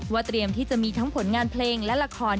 เตรียมที่จะมีทั้งผลงานเพลงและละคร